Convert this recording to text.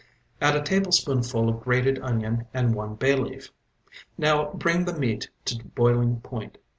Add a tablespoonful of grated onion and one bay leaf. Now bring the meat to boiling point.